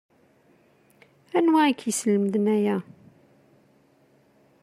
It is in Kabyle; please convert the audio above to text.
Anwa i k-yeslemden aya?